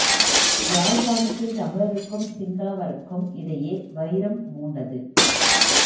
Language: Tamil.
யாழ்ப்பாணத்தில் தமிழருக்கும் சிங்களவருக்கும் இடையே வைரம் மூண்டது.